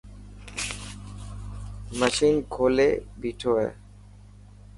مشِن کولي ٻيٺو هي.